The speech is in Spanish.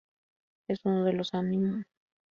Es uno de los aminoácidos esenciales.